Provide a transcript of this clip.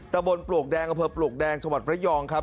ตะบนปลวกแดงอำเภอปลวกแดงจังหวัดระยองครับ